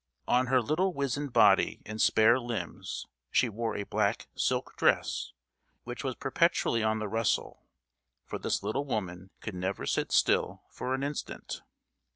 On her little wizened body and spare limbs she wore a black silk dress, which was perpetually on the rustle: for this little woman could never sit still for an instant.